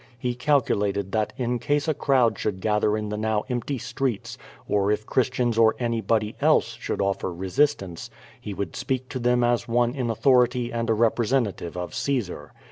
lie calculated that in case a crowd 174 QUO VADI8, should gather in the now empty streets, or if Christians or anybody else, should offer resistance, he would speak to them as one in authority and a representative of Caesar.